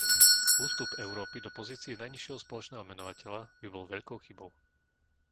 Ústup Európy do pozície najnižšieho spoločného menovateľa by bol veľkou chybou.